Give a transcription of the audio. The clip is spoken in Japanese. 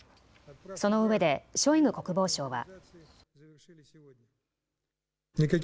そのうえでショイグ国防相は。